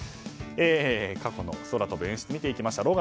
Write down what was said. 過去の空飛ぶ演出を見ていきました。